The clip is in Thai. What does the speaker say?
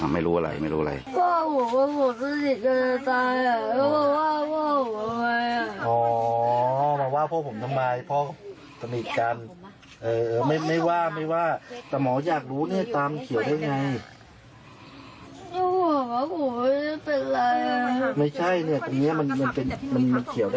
ไม่ใช่เนี่ยตรงนี้มันเฉียวได้อย่างไรนะ